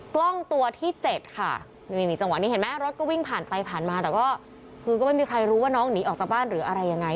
กล้องตัวที่เจ็ดค่ะนี่มีจังหวะนี้เห็นไหมรถก็วิ่งผ่านไปผ่านมาแต่ก็คือก็ไม่มีใครรู้ว่าน้องหนีออกจากบ้านหรืออะไรยังไง